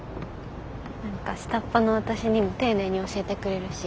何か下っ端の私にも丁寧に教えてくれるし。